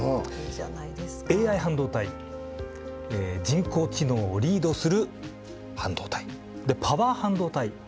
ＡＩ半導体人工知能をリードする半導体。でパワー半導体。